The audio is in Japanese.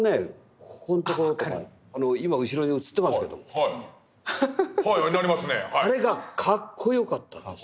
ここんとこ今後ろに映ってますけどもあれがカッコよかったんです。